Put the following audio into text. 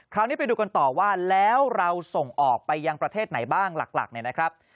คราวนี้ไปดูกันต่อว่าแล้วเราส่งออกไปยังประเทศไหนบ้างหลักเนี่ยนะครับ